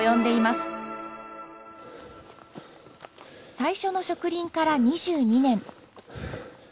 最初の植林から２２年。